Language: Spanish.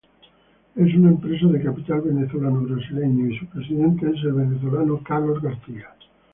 Es una empresa de capital venezolano-brasileño y su presidente es el venezolano Carlos García.